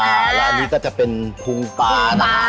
แล้วอันนี้ก็จะเป็นภูมิปลานะคะภูมิปลา